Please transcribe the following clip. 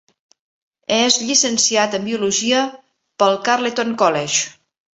És llicenciat en Biologia pel Carleton College.